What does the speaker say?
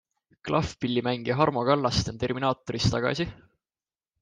Klahvpillimängija Harmo Kallaste on Terminaatoris tagasi?